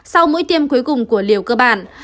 sau mũi tiêm cuối cùng của liều cơ bản